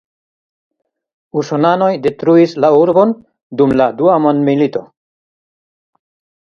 Usonanoj detruis la urbon dum la Dua Mondmilito.